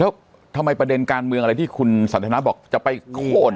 แล้วทำไมประเด็นการเมืองอะไรที่คุณสัตตานัสฮะบอกจะไปโหด